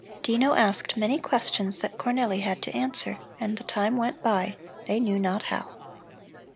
Dino asked many questions that Cornelli had to answer, and the time went by they knew not how.